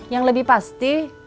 yang lebih pasti